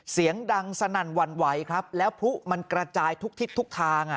เสียงดังสนั่นหวั่นไหวครับแล้วพลุมันกระจายทุกทิศทุกทาง